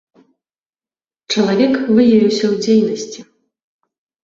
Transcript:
Чалавек выявіўся ў дзейнасці.